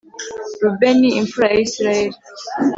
Rubeni imfura ya Isirayeli